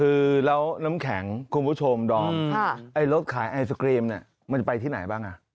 คือแล้วน้ำแข็งคุณผู้ชมดอมไอ้รถขายไอศครีมเนี่ยมันจะไปที่ไหนบ้างอ่ะ